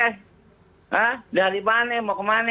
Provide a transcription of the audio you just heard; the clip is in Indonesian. hah dari mana mau ke mana